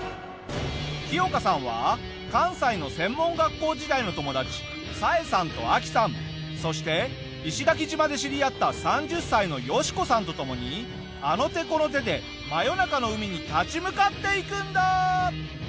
キヨカさんは関西の専門学校時代の友達サエさんとアキさんそして石垣島で知り合った３０歳のヨシコさんと共にあの手この手で真夜中の海に立ち向かっていくんだ！